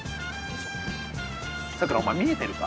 さくらお前見えてるか？